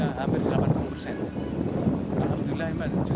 alhamdulillah justru progress rumput akhirnya sudah tinggal menunggu